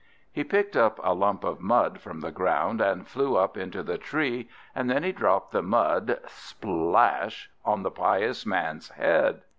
He picked up a lump of mud from the ground, and flew up into the tree, and then he dropped the mud, splash, on the pious man's head.